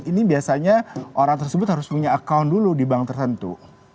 ini biasanya orang tersebut harus punya account dulu di bank tertentu